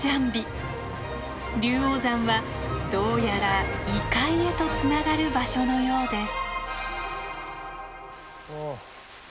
龍王山はどうやら異界へとつながる場所のようです。